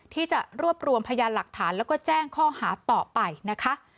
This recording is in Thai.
ที่จะรวบรวมพยานหลักฐานแล้วก็แจ้งข้อหาต่อไปนะคะ